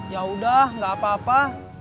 yaudah enggak apa apa